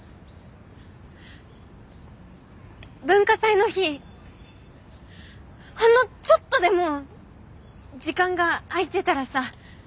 文化祭の日ほんのちょっとでも時間が空いてたらさ。